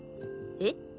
えっ？